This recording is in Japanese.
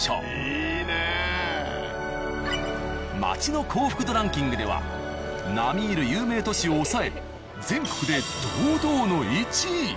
街の幸福度ランキングでは並み居る有名都市を抑え全国で堂々の１位。